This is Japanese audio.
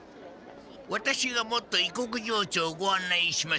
ワタシがもっと異国情緒をご案内しましょう。